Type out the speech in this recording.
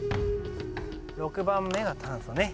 ６番目が炭素ね。